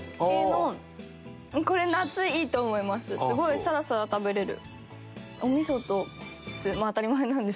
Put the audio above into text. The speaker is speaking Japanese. すごいサラサラ食べられる。